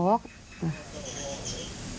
ก็การออกกันเรียนนั้นป่อหนึ่ง